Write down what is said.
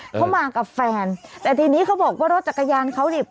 เขามากับแฟนแต่ทีนี้เขาบอกว่ารถจักรยานเขานี่